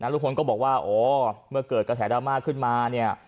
ลุงพลก็บอกว่าอ๋อเมื่อเกิดกระแสดราม่าขึ้นมาเนี่ย